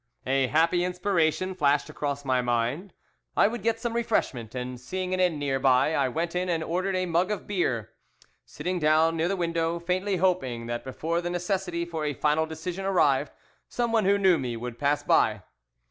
A happy inspiration flashed across my mind, I would get some refreshment, and seeing an inn near by, I went in and ordered a mug of beer, sitting down near the window, faintly hoping that before the necessity for a final decision arrived, someone who knew me would pass by.